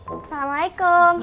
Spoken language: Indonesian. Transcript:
biar gak timbul fitnah